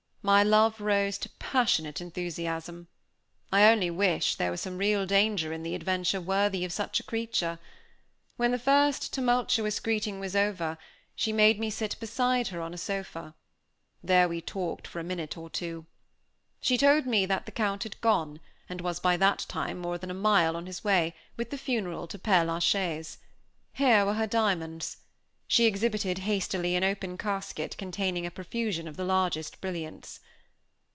My love rose to passionate enthusiasm. I only wished there were some real danger in the adventure worthy of such a creature. When the first tumultuous greeting was over, she made me sit beside her on a sofa. There we talked for a minute or two. She told me that the Count had gone, and was by that time more than a mile on his way, with the funeral, to Père la Chaise. Here were her diamonds. She exhibited, hastily, an open casket containing a profusion of the largest brilliants.